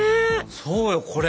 そうよこれ。